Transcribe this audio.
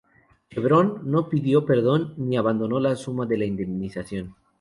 Chevron no pidió perdón, ni abonó la suma de la indemnización.